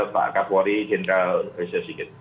pak kapolri general resur sikit